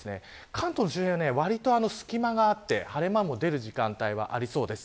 関東の周辺は、わりと隙間があって、晴れ間も出る時間帯はありそうです。